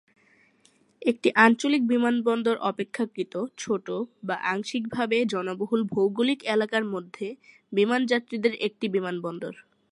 একটি আঞ্চলিক বিমানবন্দর অপেক্ষাকৃত ছোটো বা আংশিকভাবে জনবহুল ভৌগোলিক এলাকার মধ্যে বিমান যাত্রীদের একটি বিমানবন্দর।